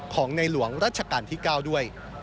ของในหลวงรัชกาลที่๙ด้วย